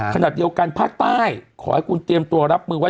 ขณะเดียวกันภาคใต้ขอให้คุณเตรียมตัวรับมือไว้